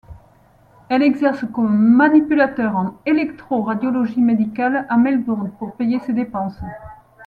Elle exerce comme manipulateur en électroradiologie médicale à Melbourne pour payer ses dépenses.